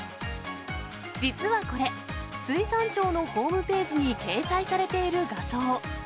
実はこれ、水産庁のホームページに掲載されている画像。